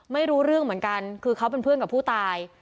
ไม่รู้เรื่องเหมือนกันคือเขาเป็นเพื่อนกับผู้ตาย